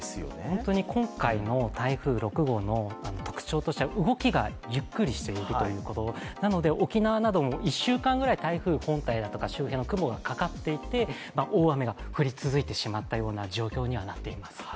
本当に今回の台風６号の特徴としては動きがゆっくりしているということ、なので沖縄なども１週間ぐらい台風本体だとか、周辺の雲がかかっていて、大雨が降り続いてしまったような状況になっています。